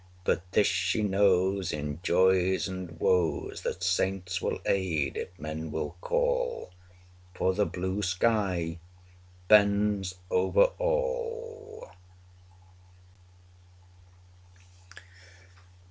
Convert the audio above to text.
But this she knows, in joys and woes, That saints will aid if men will call: 330 For the blue sky bends over all!